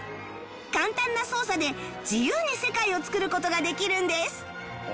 簡単な操作で自由に世界を作る事ができるんです